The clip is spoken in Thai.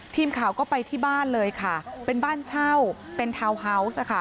ทีมข่าวก็ไปที่บ้านเลยค่ะเป็นบ้านเช่าเป็นทาวน์ฮาวส์ค่ะ